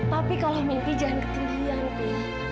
tapi kalau mimpi jangan ketindian pi